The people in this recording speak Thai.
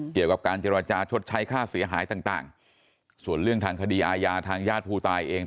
เกี่ยวกับการเจรจาชดใช้ค่าเสียหายต่างส่วนเรื่องทางคดีอาญาทางญาติผู้ตายเอง